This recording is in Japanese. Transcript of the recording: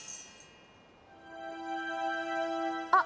あ！